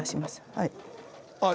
はい。